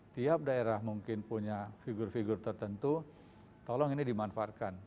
tiap daerah mungkin punya figur figur tertentu tolong ini dimanfaatkan